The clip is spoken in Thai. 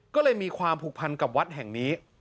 ก็เลยมีความผูกพันกับวัดแห่งนี้